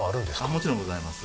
もちろんございます。